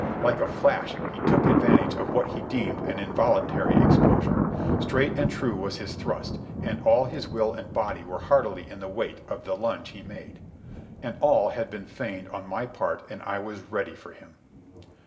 Like a flash he took advantage of what he deemed an involuntary exposure. Straight and true was his thrust, and all his will and body were heartily in the weight of the lunge he made. And all had been feigned on my part and I was ready for him.